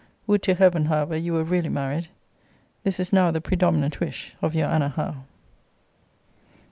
Would to Heaven, however, you were really married! This is now the predominant wish of Your ANNA HOWE.